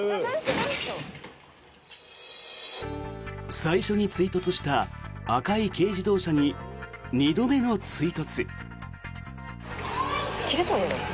最初に追突した赤い軽自動車に２度目の追突。